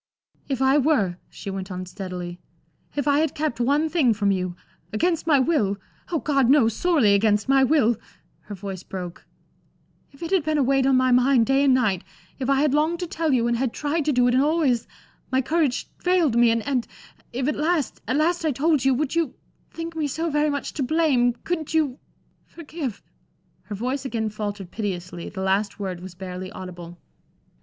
"If I were," she went on, steadily, "if I had kept one thing from you against my will oh, God knows! sorely against my will" her voice broke "if it had been a weight on my mind day and night if I had longed to tell you and had tried to do it and always my courage failed me, and and if at last at last, I told you would you think me so very much to blame, couldn't you forgive?" Her voice again faltered piteously, the last word was barely audible.